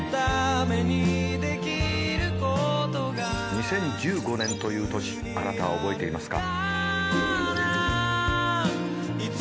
２０１５年という年あなたは覚えていますか？